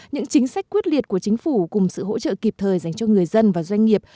những chính sách quyết liệt của chính phủ cùng sự hỗ trợ kịp thời dành cho người dân và doanh nghiệp